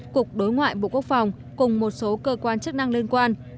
cục đối ngoại bộ quốc phòng cùng một số cơ quan chức năng liên quan